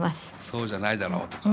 「そうじゃないだろう」とか。